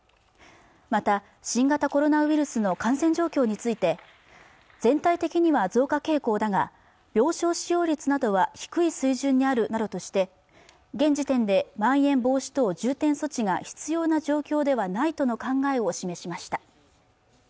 また新型コロナウイルスの感染状況について全体的には増加傾向だが病床使用率などは低い水準にあるなどとして現時点でまん延防止等重点措置が必要な状況ではないとの考えを示しました